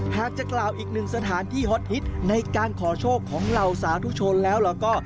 หากจะกล่าวอีกหนึ่งสถานที่ฮอตฮิตในการขอโชคของเหล่าสาธุชนแล้วแล้วก็